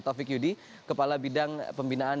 taufik yudi kepala bidang pembinaan